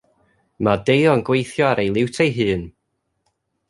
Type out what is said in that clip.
Mae Deio yn gweithio ar ei liwt ei hun.